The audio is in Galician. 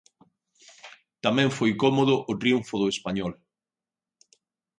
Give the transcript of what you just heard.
Tamén foi cómodo o triunfo do Español.